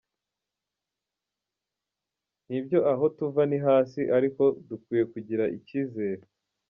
Nibyo aho tuva ni hasi ariko dukwiye kugira ikizere.